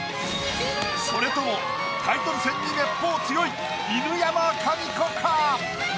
それともタイトル戦にめっぽう強い犬山紙子か？